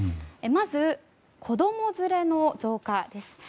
まず子供連れの増加です。